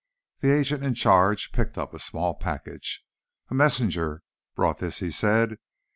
The agent in charge picked up a small package. "A messenger brought this," he said.